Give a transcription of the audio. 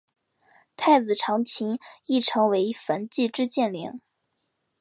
太子长琴亦成为焚寂之剑灵。